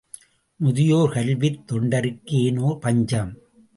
முதியோர் கல்வித் தொண்டருக்கு ஏனோ பஞ்சம்?